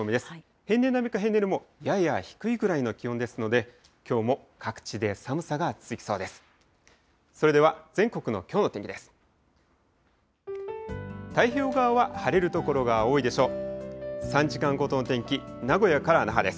平年並みか平年よりもやや低いぐらいの気温ですので、きょうも各地で寒さが続きそうです。